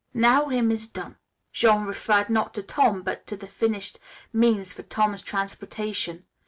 "Now him is done," Jean referred, not to Tom, but to the finished means for Tom's transportation.